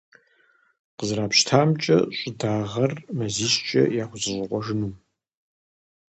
КъызэрапщытамкӀэ, щӀы дагъэр мазищкӀэ яхузэщӀэкъуэжынум.